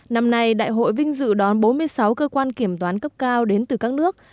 năm nay đại hội vinh dự đón bốn mươi sáu cơ quan kiểm toán cấp cao đến từ các nước